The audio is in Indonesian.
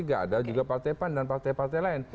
tidak ada juga partai pan dan partai partai lain